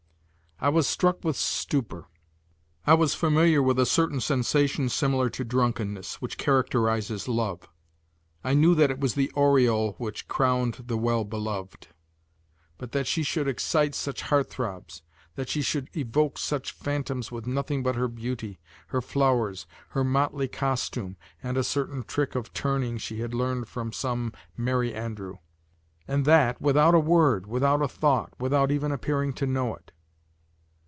I was struck with stupor. I was familiar with a certain sensation similar to drunkenness, which characterizes love; I knew that it was the aureole which crowned the well beloved. But that she should excite such heart throbs, that she should evoke such fantoms with nothing but her beauty, her flowers, her motley costume, and a certain trick of turning she had learned from some merry andrew; and that without a word, without a thought, without even appearing to know it!